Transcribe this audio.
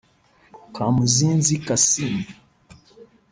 Kamuzinzi Kasim